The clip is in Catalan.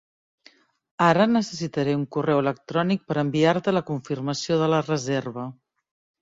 Ara necessitaré un correu electrònic per enviar-te la confirmació de la reserva.